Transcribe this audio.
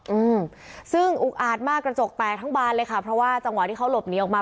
อืมซึ่งอุกอาจมากกระจกแตกทั้งบานเลยค่ะเพราะว่าจังหวะที่เขาหลบหนีออกมา